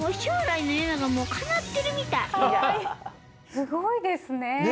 すごいですね！